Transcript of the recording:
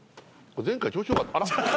前回調子よかあら？